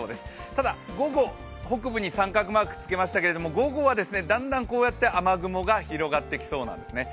ただ午後、北部に△マークをつけましたけども午後はだんだんこうやって雨雲が広がってきそうなんですね。